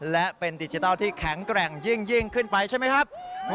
และเป็นดิจิทัลที่แข็งแกร่งยิ่งขึ้นไปใช่ไหมครับ